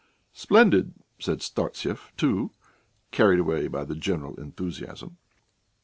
"Splendid," said Startsev, too, carried away by the general enthusiasm.